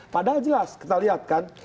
padahal jelas kita lihat kan